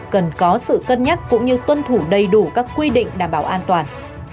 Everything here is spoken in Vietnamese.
cần có sự cân nhắc cũng như tuân thủ đầy đủ các quy định đảm bảo an toàn